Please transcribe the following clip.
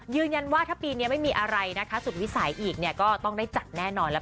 ยืนยันว่าถ้าปีนี้ไม่มีอะไรนะคะสุดวิสัยอีกเนี่ยก็ต้องได้จัดแน่นอนแล้ว